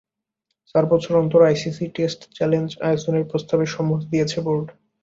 চার বছর অন্তর আইসিসি টেস্ট চ্যালেঞ্জ আয়োজনের প্রস্তাবে সম্মতি দিয়েছে বোর্ড।